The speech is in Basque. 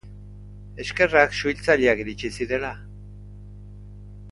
Eskerrak suhiltzaileak iritsi zirela!